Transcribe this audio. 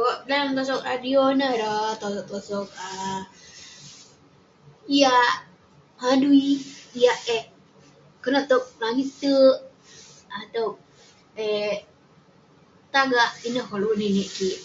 Owk, dan tosog radio ineh ireh tosog tosog um piak, adui, piak eh- konak tog langit terk, konak tog eh tagak. Ineh koluk keninik kik.